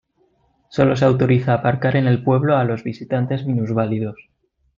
Sólo se autoriza aparcar en el pueblo a los visitantes minusválidos.